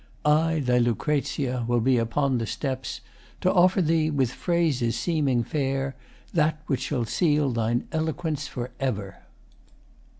I, thy Lucrezia, will be upon the steps To offer thee with phrases seeming fair That which shall seal thine eloquence for ever.